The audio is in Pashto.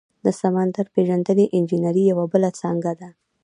د سمندر پیژندنې انجنیری یوه بله څانګه ده.